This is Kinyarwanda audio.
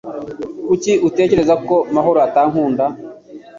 Kuki utekereza ko mahoroatankunda